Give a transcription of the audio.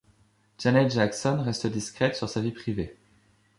Janet Jackson reste discrète sur sa vie privée.